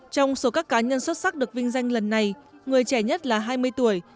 trong số các cá nhân xuất sắc được vinh danh lần này người trẻ nhất là hai mươi tuổi